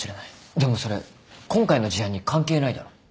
でもそれ今回の事案に関係ないだろ。